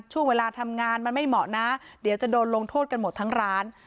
ช่วงเวลาทำงานมันไม่เหมาะนะเดี๋ยวจะโดนลงโทษกันหมดทั้งร้าน